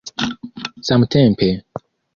samtempe